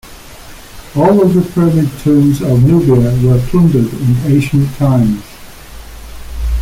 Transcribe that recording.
All of the pyramid tombs of Nubia were plundered in ancient times.